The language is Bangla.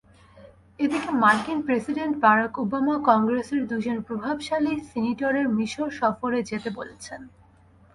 এদিকে মার্কিন প্রেসিডেন্ট বারাক ওবামা কংগ্রেসের দুজন প্রভাবশালী সিনেটরকে মিসর সফরে যেতে বলেছেন।